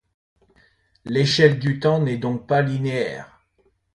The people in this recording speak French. L'échelle du temps n'est donc pas linéaire.